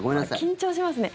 緊張しますね。